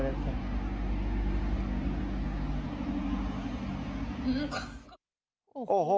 ดริฟต์แดงคุณโอ้โหคงเสียหลักนะฮะ